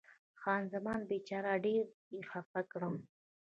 خان زمان: بیچاره، ډېر دې خفه کړم.